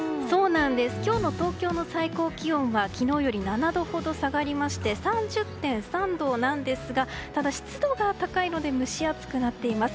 今日の東京の最高気温は昨日より７度ほど下がりまして３０．３度なんですがただ、湿度が高いので蒸し暑くなっています。